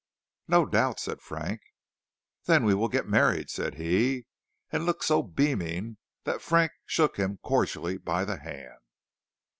"No doubt," said Frank. "Then we will get married," said he, and looked so beaming, that Frank shook him cordially by the hand.